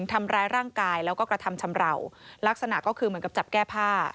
ทำร้ายร่างกายแล้วก็กระทำชำราวลักษณะก็คือเหมือนกับจับแก้ผ้า